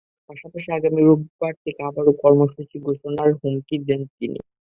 পাশাপাশি আগামী রোববার থেকে আবারও কঠোর কর্মসূচি ঘোষণার হুমকি দেন তিনি।